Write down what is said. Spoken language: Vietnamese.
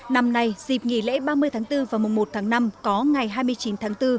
năm nay dịp nghỉ lễ ba mươi tháng bốn và mùng một tháng năm có ngày hai mươi chín tháng bốn